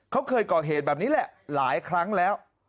เขาเคยก่อเหตุแบบนี้แหละหลายครั้งแล้ว